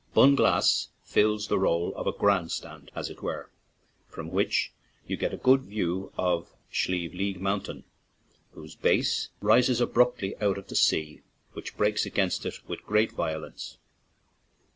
Bunglass fills the r61e of a grand stand, as it were, from which you get a good view of Slieve League Mountain, whose base rises abruptly out of the sea, which breaks against it with great violence.